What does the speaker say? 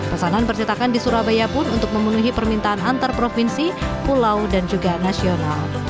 pesanan percetakan di surabaya pun untuk memenuhi permintaan antar provinsi pulau dan juga nasional